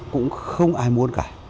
cũng không ai muốn cả